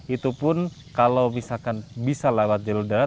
itu pun kalau misalkan bisa lewat jalur darat